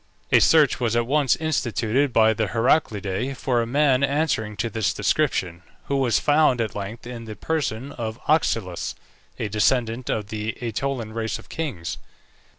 A search was at once instituted by the Heraclidae for a man answering to this description, who was found at length in the person of Oxylus, a descendant of the AEtolian race of kings.